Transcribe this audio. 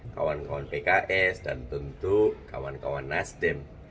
kawan kawan pks dan tentu kawan kawan nasdem